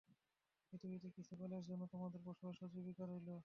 পৃথিবীতে কিছু কালের জন্য তোমাদের বসবাস ও জীবিকা রইল।